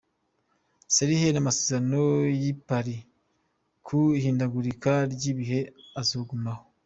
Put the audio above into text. Solheim: Amasezerano y'i Paris ku hindagurika ry'ibihe azogumaho .